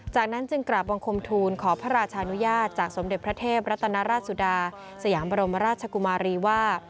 จากนั้นจึงกราบบังคมทูลขอพระราชานุญาตจากสมเด็จพระเทพรัตนราชสุดาสยามบรมราชกุมารีว่า